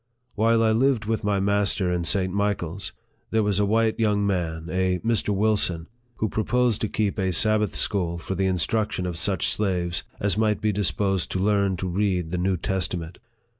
While I lived with my master in St. Michael's, there was a white young man, a Mr. Wilson, who proposed to keep a Sabbath school for the instruction of such slaves as might be disposed to learn to read the New Testament.